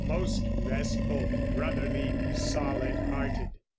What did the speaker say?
most restful, brotherly, solid hearted."